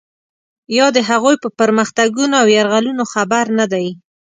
یا د هغوی په پرمختګونو او یرغلونو خبر نه دی.